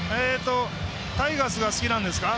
タイガースが好きなんですか。